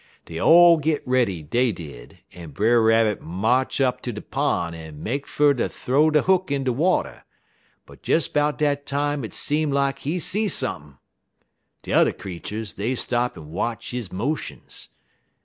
"Dey all git ready, dey did, en Brer Rabbit march up ter de pon' en make fer ter th'ow he hook in de water, but des 'bout dat time hit seem lak he see sump'n'. De t'er creeturs, dey stop en watch his motions.